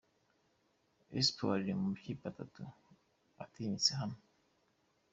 Espoir iri mu makipe atatu atinyitse hano.